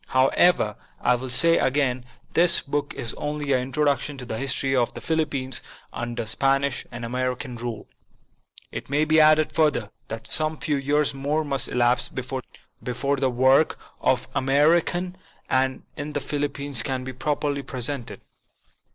However, I will say again, this book is only an introduction to the history of the Philippines under Spanish and American rule. It may be added further, that some few years more must elapse before the work of America in the Philippines can be properly presented.